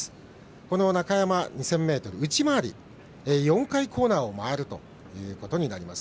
この中山２０００ｍ内回り４回コーナーを回るということになります。